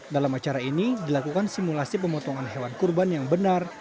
dalam acara ini dilakukan simulasi pemotongan hewan kurban yang benar